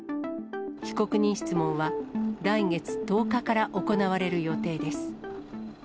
被告人質問は、来月１０日から行われる予定です。